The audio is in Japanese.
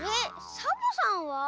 サボさんは？